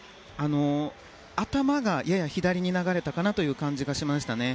頭がやや左に流れた感じがしましたね。